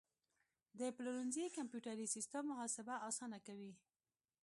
د پلورنځي کمپیوټري سیستم محاسبه اسانه کوي.